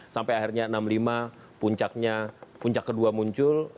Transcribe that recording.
sampai akhirnya enam puluh lima puncaknya puncak kedua muncul